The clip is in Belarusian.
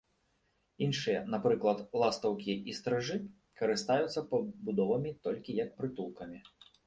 Іншыя, напрыклад, ластаўкі і стрыжы, карыстаюцца пабудовамі толькі як прытулкамі.